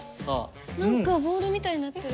何かボールみたいになってる。